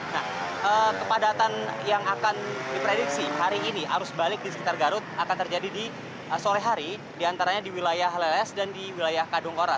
nah kepadatan yang akan diprediksi hari ini arus balik di sekitar garut akan terjadi di sore hari diantaranya di wilayah leles dan di wilayah kadungora